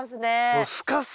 もうすかすか！